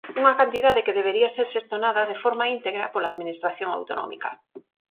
Unha cantidade que debería ser xestionada de forma "íntegra" pola administración autonómica.